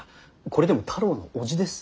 これでも太郎の叔父です。